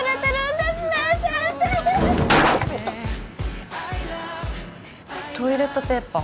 痛っトイレットペーパー？